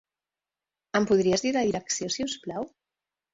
Em podries dir la direcció si us plau?